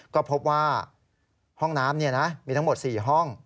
ก็พบว่าห้องน้ำมีทั้งหมด๔ห้อง